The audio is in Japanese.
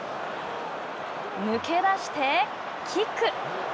抜け出してキック。